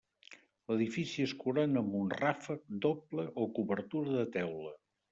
L'edifici es corona amb un ràfec doble o cobertura de teula.